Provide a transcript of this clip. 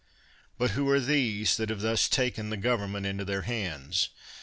But who are these, that have thus taken the government into their hands?